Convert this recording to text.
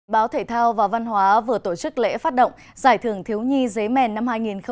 báo thể thao và văn hóa vừa tổ chức lễ phát động giải thưởng thiếu nhi giấy mèn năm hai nghìn hai mươi